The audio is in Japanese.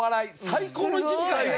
最高の１時間や。